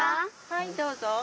はいどうぞ。